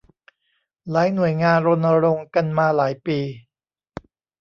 หลายหน่วยงานรณรงค์กันมาหลายปี